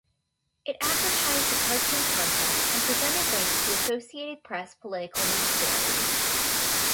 It advertised a cartoon contest and presented links to Associated Press political news stories.